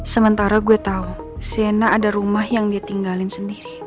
sementara gue tau si ena ada rumah yang dia tinggalin sendiri